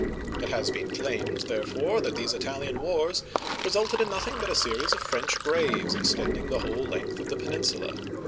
It has been claimed, therefore, that these Italian Wars resulted in nothing but a series of French graves, extending the whole length of the peninsula.